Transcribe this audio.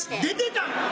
出てたん？